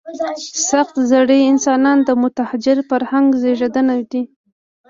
سخت زړي انسانان د متحجر فرهنګ زېږنده دي.